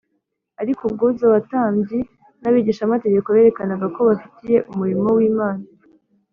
ariko ubwuzu abatambyi n’abigishamategeko berekanaga ko bafitiye umurimo w’imana,